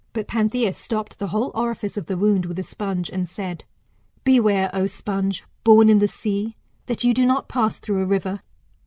But Panthia stopped the whole orifice of the wound with a sponge, and said, Beware, O sponge, born in the sea, that you do not pass through a river.